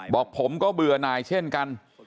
บอกผมก็เบื่อหน่ายเช่นกัน